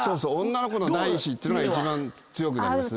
女の子の第一子っつうのが一番強くなりますね。